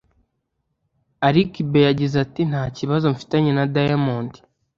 Ali kiba yagize ati” Nta kibazo mfitanye na Diamond